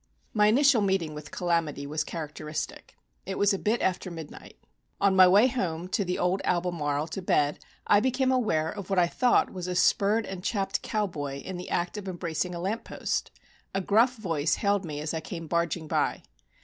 My initial meeting with "Calamity" was characteristic. It was a bit after midnight. On my way home to the old Albemarle to bed I became aware of what I thought was a spurred and chap ed cowboy in the act of embracing a lamp post. A gruff voice hailed me as I came barging by.